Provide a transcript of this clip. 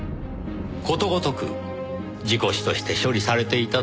ことごとく事故死として処理されていたというわけです。